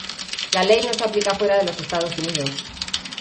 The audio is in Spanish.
La ley no se aplica fuera de los Estados Unidos.